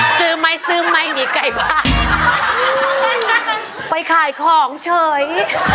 ซื้อไหมซื้อไหมหนีไก่บ้านไปขายของเฉย